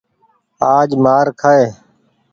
آج مآر کآئي۔